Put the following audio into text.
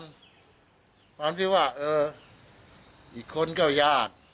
ความที่ว่าเอออีกคนก็ญาติ